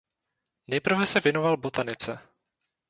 Nejprve se věnoval botanice.